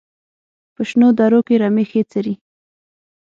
په شنو درو کې رمې ښې څري.